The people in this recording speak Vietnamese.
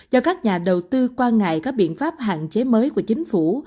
do các nhà đầu tư quan ngại các biện pháp hạn chế mới của chính phủ